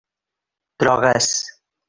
Drogues.